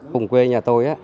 cùng quê nhà tôi